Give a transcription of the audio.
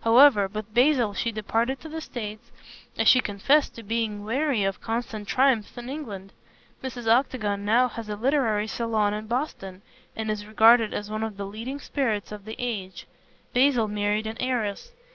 However, with Basil she departed to the States, as she confessed to being weary of constant triumphs in England. Mrs. Octagon now has a literary salon in Boston, and is regarded as one of the leading spirits of the age. Basil married an heiress.